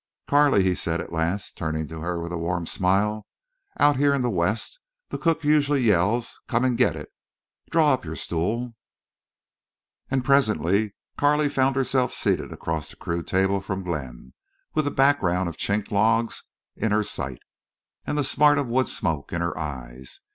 "Carley," he said, at last turning to her with a warm smile, "out here in the West the cook usually yells, 'Come and get it.' Draw up your stool." And presently Carley found herself seated across the crude table from Glenn, with the background of chinked logs in her sight, and the smart of wood smoke in her eyes.